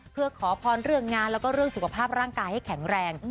เพื่อขอพรเรื่องงานและก็สุขภาษณ์ร่างกายให้แข็งแรง